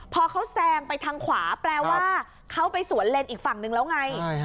พอเขาแซงไปทางขวาแปลว่าเขาไปสวนเลนส์อีกฝั่งนึงแล้วไง